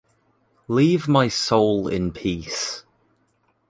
Leave my soul in peace.